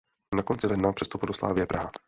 Na konci ledna přestoupil do Slavie Praha.